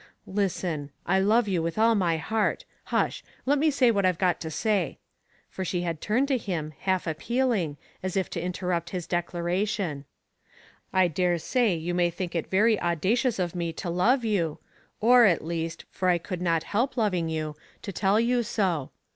Listen ! I love you with all my heart. Hush ! let me say what I have got to say" — for she had turned to him, half appealing, as if to interrupt his declaration —I daresay you may think it very audacious of me to love you — or, at least, for I could not help loving you, to tell you so.